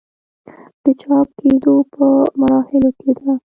د چاپ کيدو پۀ مراحلو کښې ده